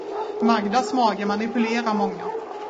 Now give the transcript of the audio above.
Magdas mage manipulerar många.